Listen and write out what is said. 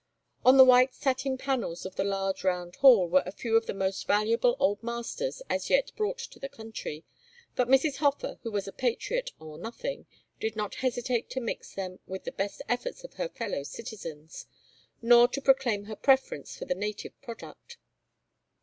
On the white satin panels of the large round hall were a few of the most valuable old masters as yet brought to the country, but Mrs. Hofer, who was a patriot or nothing, did not hesitate to mix them with the best efforts of her fellow citizens, nor to proclaim her preference for the native product.